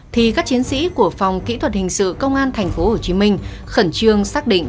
thì các chiến sĩ của phòng kỹ thuật hình sự công an tp hcm khẩn trương xác định